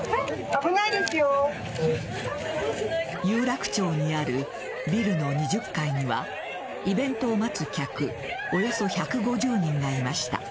有楽町にあるビルの２０階にはイベントを待つ客およそ１５０人がいました。